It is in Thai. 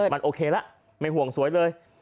มันโอเคแล้วไม่ห่วงสวยเลย